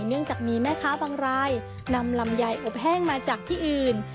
เนื่องจากมีแม่ค้าบางรายนำลำไยอบแห้งมาจากที่อื่น